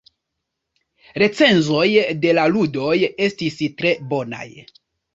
Recenzoj de la ludoj estis tre bonaj.